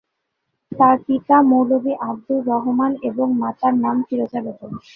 তার পিতার নাম মৌলভী আব্দুর রহমান এবং মাতার নাম ফিরোজা বেগম।